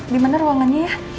di mana ruangannya